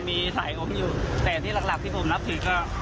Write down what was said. มีสายผมอยู่แต่ที่หลักที่ผมนับถือก็